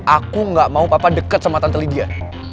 aku gak mau papa deket sama tante lydia